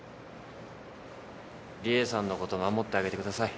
理恵さんのこと守ってあげてください。